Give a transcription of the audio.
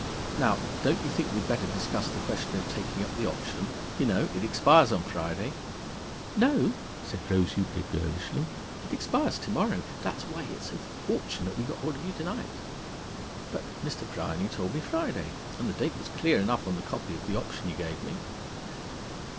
"Now, don't you think we'd better discuss the question of taking up the option? You know, it expires on Friday." "No," said Rose Euclid girlishly. "It expires to morrow. That's why it's so fortunate we got hold of you to night." "But Mr. Bryany told me Friday. And the date was clear enough on the copy of the option he gave me."